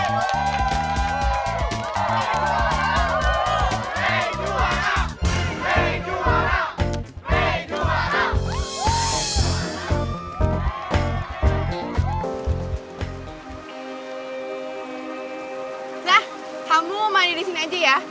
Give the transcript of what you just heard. nah kamu mandi di sini aja ya